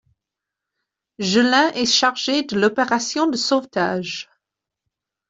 Jeulin est chargé de l’opération de sauvetage.